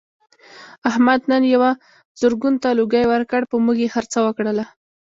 احمد نن یوه زرګون ته لوګی ورکړ په موږ یې خرڅه وکړله.